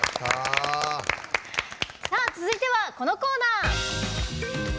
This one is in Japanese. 続いては、このコーナー。